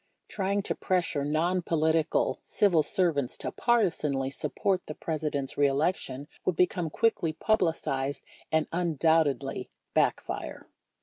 Trying to pressure "non political" civil servants to partisanly support the Presi dent's re election would become quickly publicized and un doubtedly backfire.